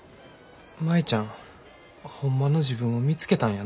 舞ちゃんホンマの自分を見つけたんやな。